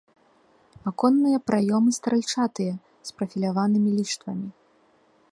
Аконныя праёмы стральчатыя з прафіляванымі ліштвамі.